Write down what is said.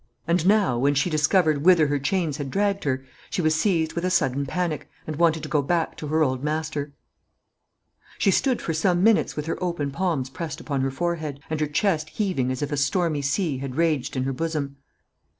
And now, when she discovered whither her chains had dragged her, she was seized with a sudden panic, and wanted to go back to her old master. She stood for some minutes with her open palms pressed upon her forehead, and her chest heaving as if a stormy sea had raged in her bosom.